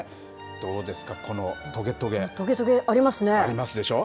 どうですか、このトゲトゲ。ありますでしょ。